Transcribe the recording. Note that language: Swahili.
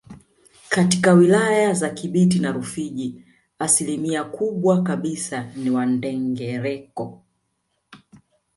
Katika wilaya za Kibiti na Rufiji asilimia kubwa kabisa ni Wandengereko